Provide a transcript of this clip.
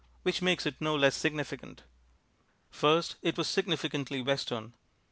Which makes it no less significant. First, it was significantly Western.